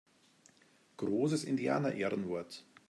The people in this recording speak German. Großes Indianerehrenwort!